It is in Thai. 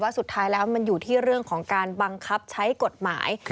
สุดท้ายแล้วมันอยู่ที่เรื่องของการบังคับใช้กฎหมาย